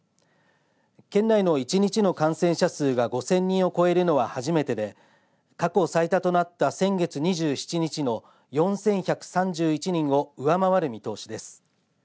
県内の１日の感染者数が５０００人を超えるのは初めてで過去最多となった先月２７日の４１３１人を上回る見通しです。